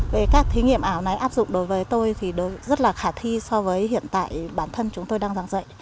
về các thí nghiệm ảo này áp dụng đối với tôi thì rất là khả thi so với hiện tại bản thân chúng tôi đang giảng dạy